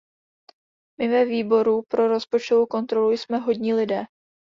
My ve Výboru pro rozpočtovou kontrolu jsme hodní lidé.